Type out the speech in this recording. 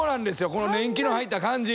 この年季の入った感じ。